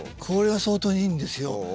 これが相当にいいんですよ。